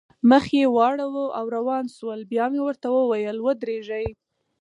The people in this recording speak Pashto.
مخ یې واړاوه او روان شول، بیا مې ورته وویل: ودرېږئ.